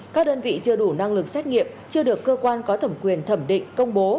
các đơn vị chưa đủ năng lực xét nghiệm chưa được cơ quan có thẩm quyền thẩm định công bố